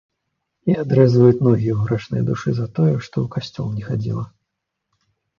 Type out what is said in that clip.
І адрэзваюць ногі ў грэшнай душы за тое, што ў касцёл не хадзіла.